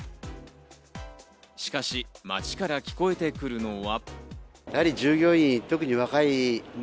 しかし街から聞こえてくるのは。